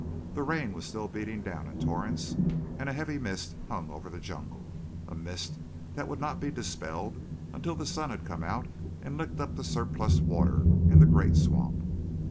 The rain was still beating down in torrents and a heavy mist hung over the jungle, a mist that would not be dispelled until the sun had come out and licked up the surplus water in the great swamp.